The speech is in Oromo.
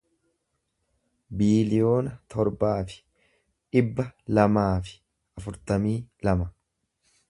biiliyoona torbaa fi dhibba lamaa fi afurtamii lama